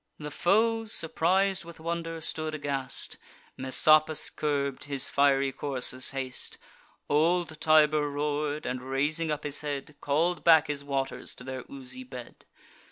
The foes, surpris'd with wonder, stood aghast; Messapus curb'd his fiery courser's haste; Old Tiber roar'd, and, raising up his head, Call'd back his waters to their oozy bed.